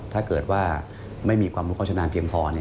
ถ้าเกิดว่าไม่มีความรู้โฆษณาเพียงพอ